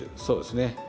そうですね。